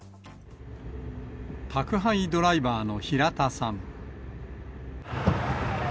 宅配ドライバーの平田さん。